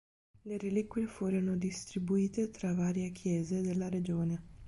Le reliquie furono distribuite tra varie chiese della regione.